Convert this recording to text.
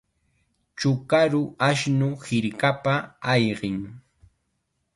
Chukaru ashnu hirkapa ayqin.